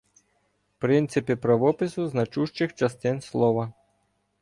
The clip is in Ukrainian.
Принципи правопису значущих частин слова